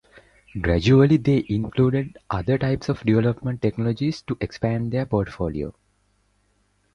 Gradually they included other types of development technologies to expand their portfolio.